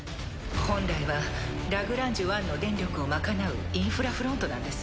本来はラグランジュ１の電力を賄うインフラフロントなんです。